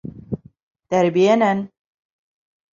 Тәрбиәнән.